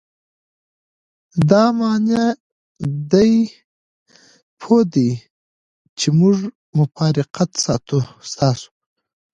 دا معنی دې پوه وي چې موږ مفارقت ستاسو.